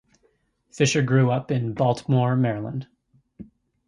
Fischer grew up in Baltimore, Maryland.